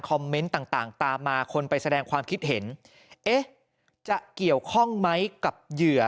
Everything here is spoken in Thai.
เมนต์ต่างตามมาคนไปแสดงความคิดเห็นเอ๊ะจะเกี่ยวข้องไหมกับเหยื่อ